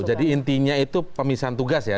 jadi intinya itu pemisahan tugas ya